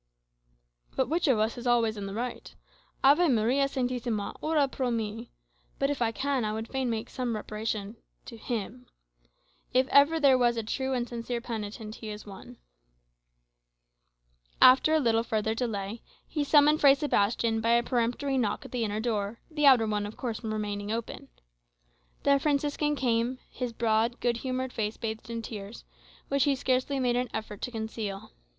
But which of us is always in the right? Ave Maria Sanctissima, ora pro me! But if I can, I would fain make some reparation to him. If ever there was a true and sincere penitent, he is one." After a little further delay, he summoned Fray Sebastian by a peremptory knock at the inner door, the outer one of course remaining open. The Franciscan came, his broad, good humoured face bathed in tears, which he scarcely made an effort to conceal.